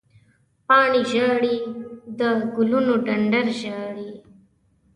پاڼې ژاړې، د ګلونو ډنډر ژاړې